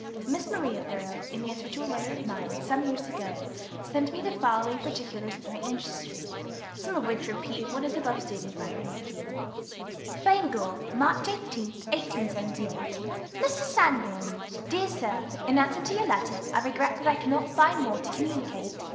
Miss Maria Thoreau, in answer to a letter of mine, some years ago, sent me the following particulars of her ancestry, some of which repeat what is above stated by her nephew: "BANGOR, March 18, 1878. "MR. SANBORN. "Dear Sir, In answer to your letter, I regret that I cannot find more to communicate.